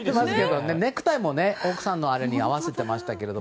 ネクタイも奥さんに合わせてましたけど。